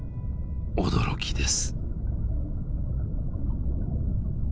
驚きです。